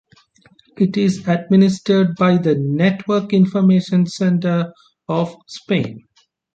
It is administered by the Network Information Centre of Spain.